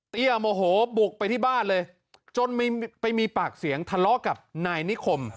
โมโหบุกไปที่บ้านเลยจนไปมีปากเสียงทะเลาะกับนายนิคม